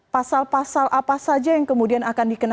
pasal pasal apa saja yang kemudian akan dikawal